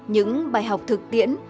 những bài học thực tiễn